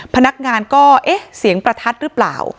พนักงานก็เอ๊ะเสียงประทัดหรือเปล่า